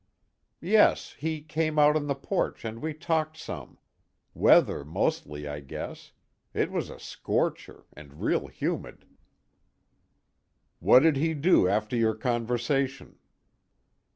"Yes, he came out on the porch and we talked some. Weather mostly I guess. It was a scorcher, and real humid." "What did he do after your conversation?"